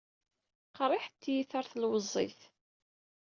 Qeṛṛiḥet tiyita ɣeṛ telweẓẓit.